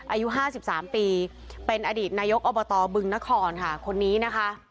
อายุ๕๓ปีเป็นอดีตนายกอบตบึงนครค่ะคนนี้นะคะ